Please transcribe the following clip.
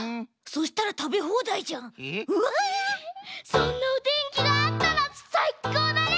そんなおてんきがあったらさいこうだね！